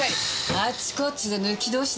あっちこっちで抜き通しでしょ。